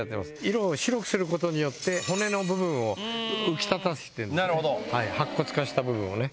色を白くすることによって骨の部分を浮き立たせてんのね白骨化した部分をね